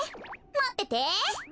まってて。